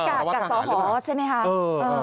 กากกักสหใช่ไหมครับ